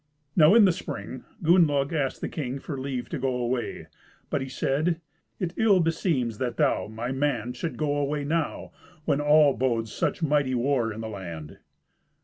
Now in the spring Gunnlaug asked the king for leave to go away, but he said, "It ill beseems that thou, my man, shouldst go away now, when all bodes such mighty war in the land."